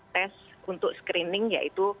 tes untuk screening yaitu